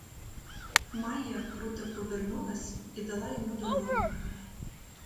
Майя круто повернулась і дала йому дорогу.